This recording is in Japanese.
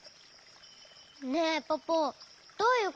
ねえポポどういうこと？